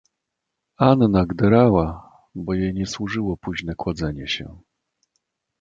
"Anna gderała, bo jej nie służyło późne kładzenie się."